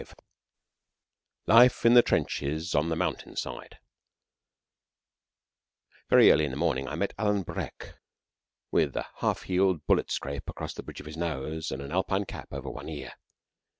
V LIFE IN TRENCHES ON THE MOUNTAIN SIDE Very early in the morning I met Alan Breck, with a half healed bullet scrape across the bridge of his nose, and an Alpine cap over one ear.